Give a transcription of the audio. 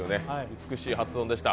美しい発音でした。